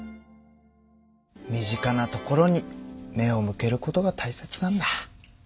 身近なところに目を向けることが大切なんだ。